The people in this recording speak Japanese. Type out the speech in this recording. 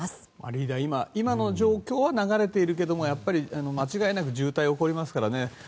リーダー今の状況は流れているけれども間違いなく渋滞は起こりますからね。